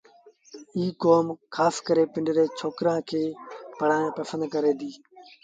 ايٚ ڪوم کآس ڪري پنڊري ڇوڪرآݩ کي پڙهآڻ پسند ڪريݩ دآ